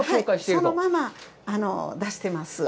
そのまま出してます。